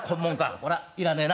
こら要らねえな。